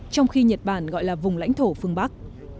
trong khi nhật bản gọi là vùng lãnh thổ phương bắc